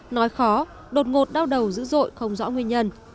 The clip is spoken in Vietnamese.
nói khó đột ngột đau đầu dữ dội không rõ nguyên nhân